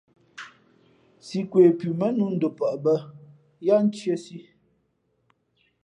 Sī nkwe pʉ mά nnū ndopαʼ bᾱ yáá ntīēsī.